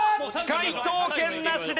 解答権なしです。